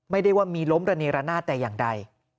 ไม่ได้ว่ามีล้มระเนรนาศแต่อย่างใด